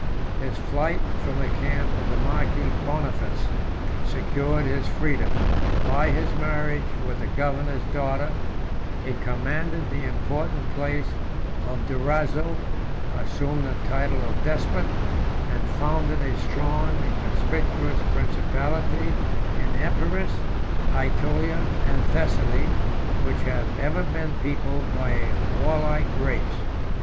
His flight from the camp of the marquis Boniface secured his freedom; by his marriage with the governor's daughter, he commanded the important place of Durazzo, assumed the title of despot, and founded a strong and conspicuous principality in Epirus, Ætolia, and Thessaly, which have ever been peopled by a warlike race.